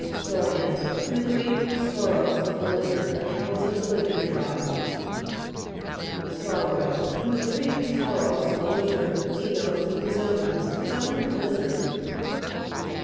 SAU'RIANS fr. gr. sauros, a lizard. Animals of the lizard tribe. SAUROID fr. gr. sauros, a lizard, ez dos, resemblance. Resembling a lizard.